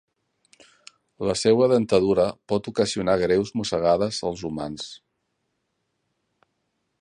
La seua dentadura pot ocasionar greus mossegades als humans.